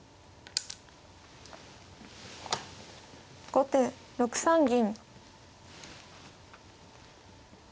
後手６三銀。